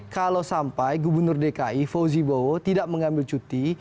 kalau sampai gubernur dki fauzi bowo tidak mengambil cuti